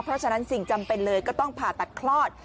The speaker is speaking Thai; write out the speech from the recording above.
เพราะฉะนั้นสิ่งจำเป็นเลยก็ต้องผ่าตัดคลอด